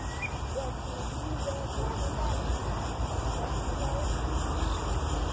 يو سپين ږيري ژر پر خوله لاس ونيو او د چوپتيا هدایت يې وکړ.